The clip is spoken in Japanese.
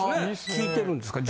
効いてるんですか？